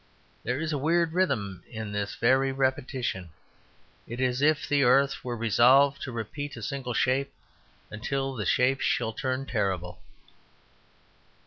There is a weird rhythm in this very repetition; it is as if the earth were resolved to repeat a single shape until the shape shall turn terrible.